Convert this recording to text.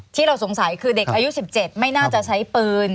ที่เราสงสัยคือเด็กอายุ๑๗ไม่น่าจะใช้ปืน